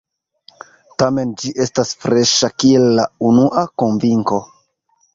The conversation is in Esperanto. Tamen ĝi estas freŝa kiel la unua konvinko.